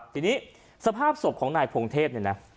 ทีนี้สภาพศพของนายพงเทพ